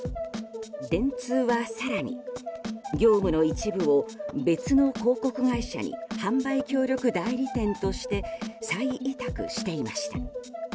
電通は更に業務の一部を別の広告会社に販売協力代理店として再委託していました。